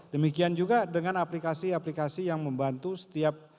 demikian juga dengan aplikasi aplikasi yang membantu setiap